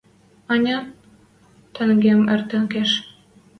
Ӓнят, тӓнгем эртен кеш